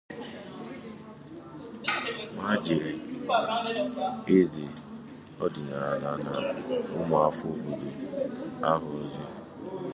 ma jeere eze ọdịnala na ụmụafọ obodo ahụ ozi